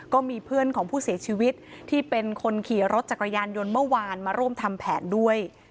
ก็มีเพื่อนของผู้เสียชีวิตที่เป็นคนขี่รถจักรยานยนต์เมื่อวานมาร่วมทำแผนด้วย